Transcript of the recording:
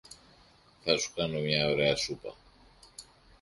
Θα σου κάνω ωραία σούπα.